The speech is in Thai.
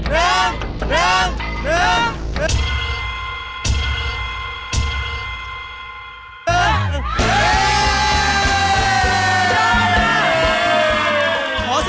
เร็ว